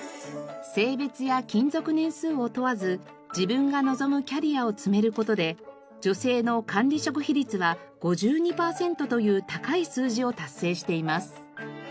性別や勤続年数を問わず自分が望むキャリアを積める事で女性の管理職比率は５２パーセントという高い数字を達成しています。